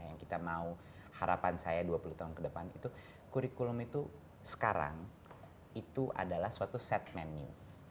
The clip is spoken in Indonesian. yang kita mau harapan saya dua puluh tahun ke depan itu kurikulum itu sekarang itu adalah suatu setmen new